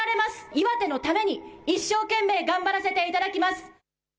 岩手のために一生懸命頑張らせていただきます。